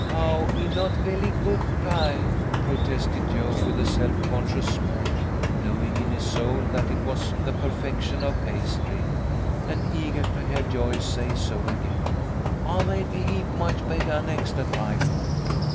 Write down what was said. "Aw, he not velly good pie," protested Jo, with a self conscious smirk, knowing in his soul that it was the perfection of pastry, and eager to hear Joyce say so again. "I make a heap much betta nex a time."